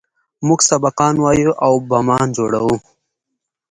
موږ سبقان وايو او بمان جوړوو.